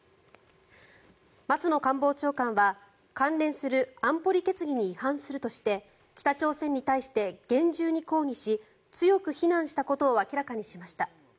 松野官房長官は関連する安保理決議に違反するとして北朝鮮に対して厳重に抗議し強く非難したことを明らかにしました。